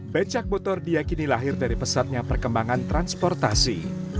becak motor diakini lahir dari pesatnya perkembangan transportasi